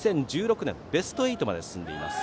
２０１６年にベスト８まで進んでいます。